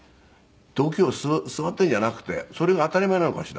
度胸据わっているんじゃなくてそれが当たり前なのかしら。